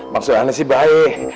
maksud aneh sih baik